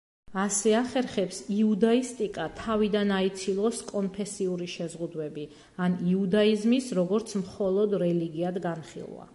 ასე ახერხებს იუდაისტიკა თავიდან აიცილოს კონფესიური შეზღუდვები, ან იუდაიზმის როგორც მხოლოდ რელიგიად განხილვა.